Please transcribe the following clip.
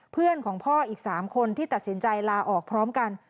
เพื่อนของพ่ออีก๓คนที่ตัดสินใจลาออกพร้อมกัน